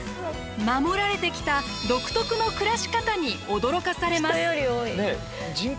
守られてきた独特の暮らし方に驚かされます。